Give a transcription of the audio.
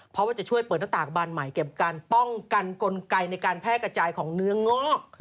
เพราะว่าจะช่วยเปิดหน้าต่างบานใหม่เก็บการป้องกันกลไกในการแพร่กระจายของเนื้องอก